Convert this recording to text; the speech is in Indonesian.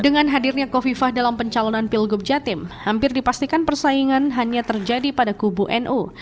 dengan hadirnya kofifah dalam pencalonan pilgub jatim hampir dipastikan persaingan hanya terjadi pada kubu nu